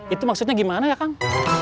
itu maksudnya gimana ya kang